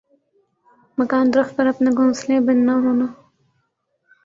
مکان درخت پر اپنا گھونسلے بننا ہونا